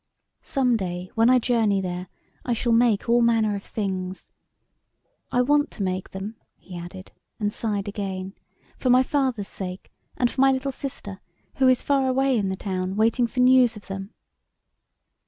Some day when I journey there I shall make all manner of things. I want to make them," he added, and sighed again, "for my father's sake, and for my little sister, who is far away in the town waiting for news of them."